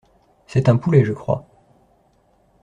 C’est un poulet, je crois.